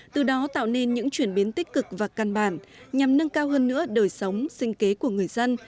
từ đó tạo nên những chuyển biến tích cực và căn bản nhằm nâng cao hơn nữa đời sống sinh kế của người dân